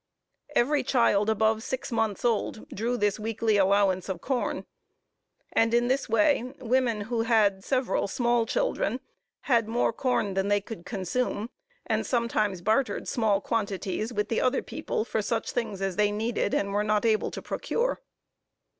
Every child above six months old drew this weekly allowance of corn; and in this way, women who had several small children, had more corn than they could consume, and sometimes bartered small quantities with the other people for such things as they needed, and were not able to procure.